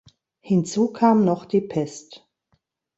Hinzu kam noch die Pest.